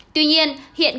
tuy nhiên hiện các nghiên cứu